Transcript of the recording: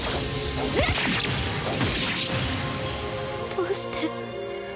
どうして？